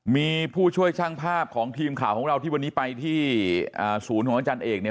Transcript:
มีผู้ช่วยช่างภาพของทีมข่าวของเราที่วันนี้ไปที่ศูนย์ของอาจารย์เอกเนี่ย